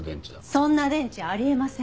そんな電池あり得ません。